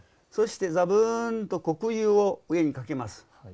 そしてざぶんと黒釉を上にかけます。